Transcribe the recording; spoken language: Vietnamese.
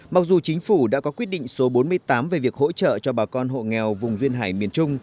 mặc dù chính phủ đã có quyết định số bốn mươi tám về việc hỗ trợ cho bà con hộ nghèo vùng duyên hải miền trung